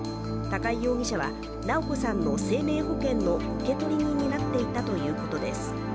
高井容疑者は直子さんの生命保険の受取人になっていたということです。